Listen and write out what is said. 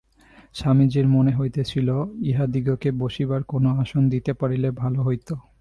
স্বামীজীর মনে হইতেছিল ইহাদিগকে বসিবার কোন আসন দিতে পারিলে ভাল হইত।